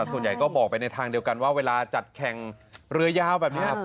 ส่วนใหญ่ก็บอกไปในทางเดียวกันว่าเวลาจัดแข่งเรือยาวแบบนี้